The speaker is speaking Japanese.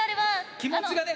気持ちがね